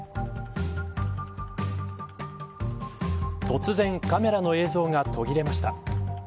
突然、カメラの映像が途切れました。